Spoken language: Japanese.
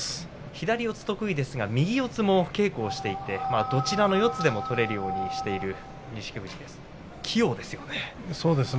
左四つ得意ですが右四つも稽古していてどちらの四つでも取れるようにしている錦富士です。